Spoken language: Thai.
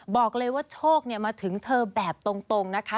บอกเลยว่าโชคมาถึงเธอแบบตรงนะคะ